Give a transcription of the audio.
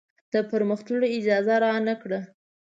د پرمخ تللو اجازه رانه کړه.